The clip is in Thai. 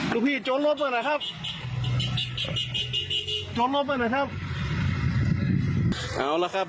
ทุกพี่โจรรถเปิดล่ะครับโจรรถเปิดล่ะครับเอาล่ะครับ